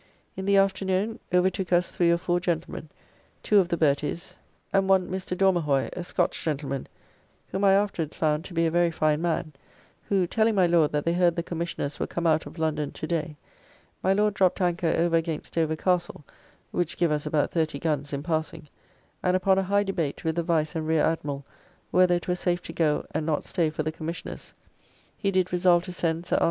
In the afternoon overtook us three or four gentlemen; two of the Berties, and one Mr. Dormerhoy, a Scotch gentleman, whom I afterwards found to be a very fine man, who, telling my Lord that they heard the Commissioners were come out of London to day, my Lord dropt anchor over against Dover Castle (which give us about thirty guns in passing), and upon a high debate with the Vice and Rear Admiral whether it were safe to go and not stay for the Commissioners, he did resolve to send Sir R.